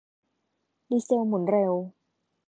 ดีเซลหมุนเร็ว